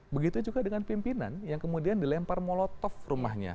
begitu juga dengan pimpinan yang kemudian dilempar molotov rumahnya